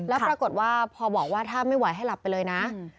แล้วปรากฏว่าพอบอกว่าถ้าไม่ไหวให้หลับไปเลยนะ